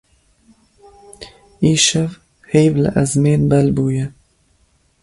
Îşev heyv li ezmên bel bûye.